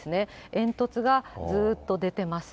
煙突がずーっと出てます。